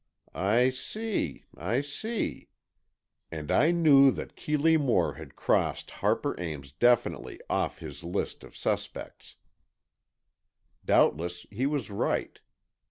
"I see. I see." And I knew that Keeley Moore had crossed Harper Ames definitely off his list of suspects. Doubtless he was right.